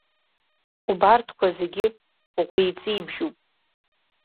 Убарҭқәа зегьы ӷәиҵибжьуп.